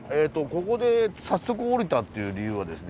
ここで早速降りたっていう理由はですね